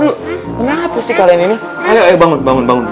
cepetan sini semua ya allah eh duduk bangun bangun dulu dulu